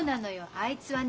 あいつはね